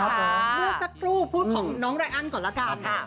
ครับผมเมื่อสักครู่พูดของน้องไรอั้นก่อนละกันครับค่ะ